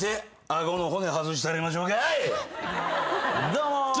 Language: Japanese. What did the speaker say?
どうも。